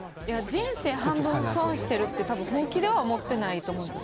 人生半分損してるって本気では思ってないと思うんです。